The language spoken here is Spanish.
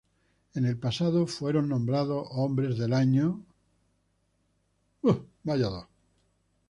En el pasado fueron nombrados hombres del año Adolf Hitler o Iósif Stalin.